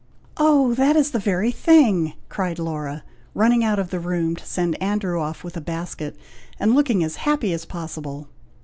"Oh! that is the very thing!" cried Laura, running out of the room to send Andrew off with a basket, and looking as happy as possible.